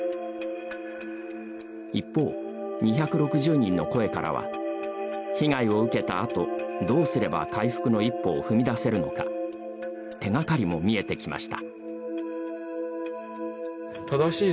一方、２６０人の声からは被害を受けたあと、どうすれば回復の一歩を踏み出せるのか手がかりも見えてきました。